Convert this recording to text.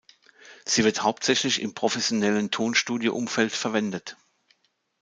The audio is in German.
Sie wird hauptsächlich im professionellen Tonstudio-Umfeld verwendet.